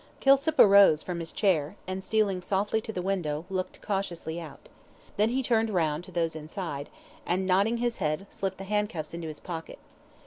Kilsip arose from his chair, and, stealing softly to the window, looked cautiously out. Then he turned round to those inside and, nodding his head, slipped the handcuffs into his pocket.